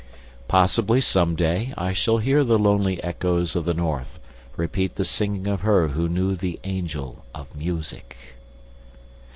... Possibly, some day, I shall hear the lonely echoes of the North repeat the singing of her who knew the Angel of Music!